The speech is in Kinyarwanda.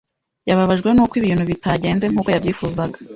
Yababajwe nuko ibintu bitagenze nkuko yabyifuzaga.